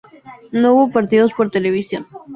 No hubo partidos por televisión.